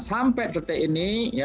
sampai detik ini